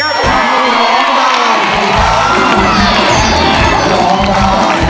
ขอบคุณครับ